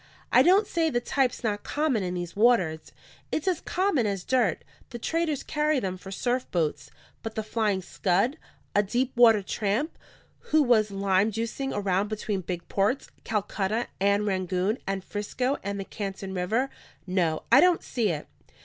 I don't say the type's not common in these waters; it's as common as dirt; the traders carry them for surf boats. But the Flying Scud? a deep water tramp, who was lime juicing around between big ports, Calcutta and Rangoon and 'Frisco and the Canton River? No, I don't see it."